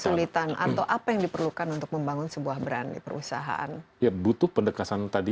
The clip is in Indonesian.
kesulitan atau apa yang diperlukan untuk membangun sebuah brand di perusahaan butuh pendekasan tadi